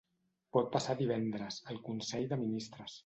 Pot passar divendres, al consell de ministres.